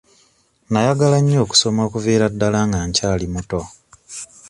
Nayagala nnyo okusoma okuviira ddala nga nkyali muto.